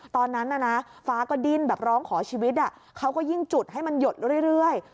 ตอนนั้นน่ะนะฟ้าก็ดิ้นแบบร้องขอชีวิตเขาก็ยิ่งจุดให้มันหยดเรื่อย